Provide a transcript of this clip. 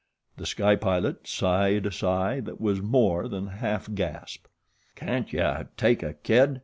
The Sky Pilot sighed a sigh that was more than half gasp. "Can't yuh take a kid?"